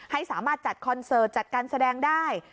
ให้สามารถจัดคอนเสิร์ตจัดการแสดงได้